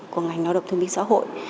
của ngành lao động thương minh xã hội